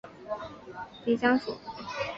西蜀丁香是木犀科丁香属的植物。